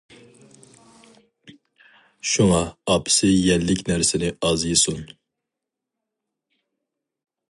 شۇڭا ئاپىسى يەللىك نەرسىنى ئاز يېسۇن.